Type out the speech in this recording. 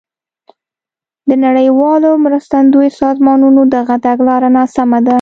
د نړیوالو مرستندویو سازمانونو دغه تګلاره ناسمه ده.